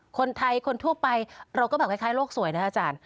คนไทยคนทั่วไปเราก็แบบคล้ายโลกสวยนะอาจารย์